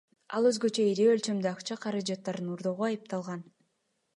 Ал өзгөчө ири өлчөмдө акча каражатын уурдоого айыпталган.